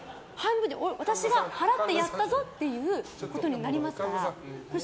私が払ってやったぞということになりますから。